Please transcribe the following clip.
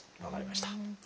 分かりました。